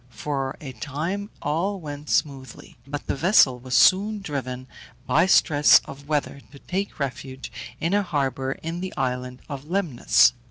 For a time all went smoothly, but the vessel was soon driven, by stress of weather, to take refuge in a harbour in the island of Lemnos.